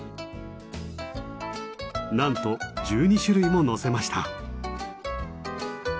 なんと１２種類ものせました！